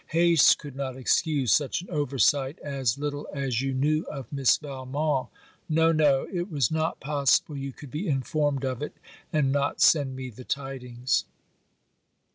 Haste could not excuse such an over sight, as little as you knew of Miss Valmont. No! no! it was not possible you could be informed of it and not send me the tidings.